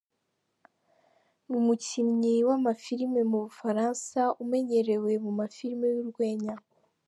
Ni umukinnyi w’amafilime mu bufaransa umenyerewe mu mafilime y’urwenya.